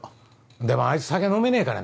でもあいつ酒飲めねぇからな。